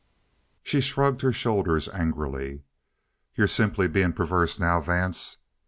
She shrugged her shoulders angrily. "You're simply being perverse now, Vance.